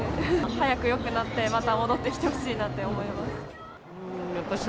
早くよくなって、また戻ってきてほしいなと思います。